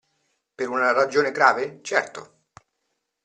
Per una ragione grave, certo.